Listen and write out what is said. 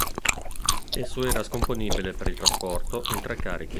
Esso era scomponibile per il trasporto in tre carichi.